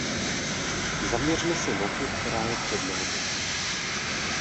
Zaměřme se na tu, která je před námi.